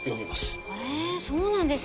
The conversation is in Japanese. へえそうなんですね。